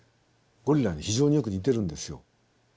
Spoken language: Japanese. ゴリラに非常によく似てるんですよ。